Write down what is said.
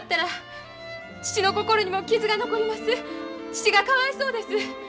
父がかわいそうです。